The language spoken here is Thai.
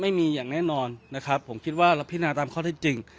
ไม่มีอย่างแน่นอนนะครับผมคิดว่าพิจารณาตามเท่าที่จริง